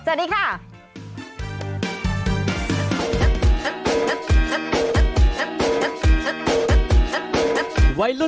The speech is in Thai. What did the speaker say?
สวัสดีค่ะ